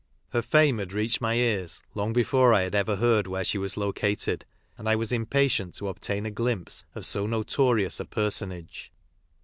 Her fame had reached my ears long before I had ever heard where she was located, and I was impatient to obtain a glimpse of so notorious a personage.